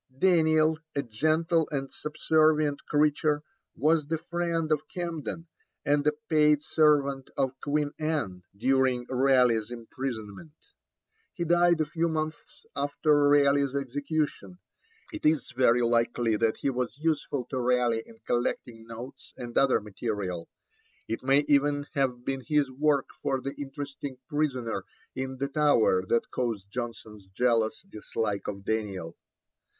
Daniel, a gentle and subservient creature, was the friend of Camden, and a paid servant of Queen Anne, during Raleigh's imprisonment. He died a few months after Raleigh's execution. It is very likely that he was useful to Raleigh in collecting notes and other material. It may even have been his work for the interesting prisoner in the Tower that caused Jonson's jealous dislike of Daniel.